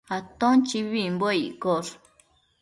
Aton chibibimbuec iccosh